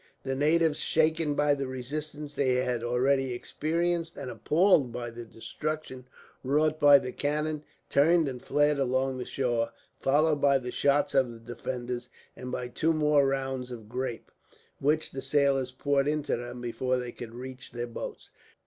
The natives, shaken by the resistance they had already experienced, and appalled by the destruction wrought by the cannon, turned and fled along the shore, followed by the shots of the defenders, and by two more rounds of grape, which the sailors poured into them before they could reach their boats.